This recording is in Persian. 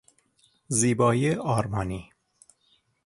زیبایی آرمانی